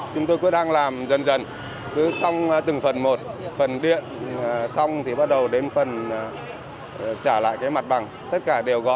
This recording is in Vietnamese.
chúng tôi cũng đang làm dần dần cứ xong từng phần một phần điện xong thì bắt đầu đến phần trả lại cái mặt bằng tất cả đều có